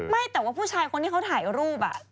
ไม่แต่ว่าผู้ชายคนนี่ถ่ายรูปเขามันพร้อมเห็นดิ